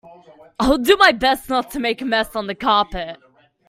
I'll do my best not to make a mess on the carpet.